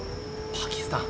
「パキスタン」。